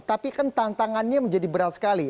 tapi kan tantangannya menjadi berat sekali